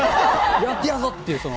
やってやるぞっていう。